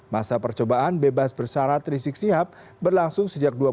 masa percobaan bebas bersarat risik sihab berlangsung sejak dua ribu dua puluh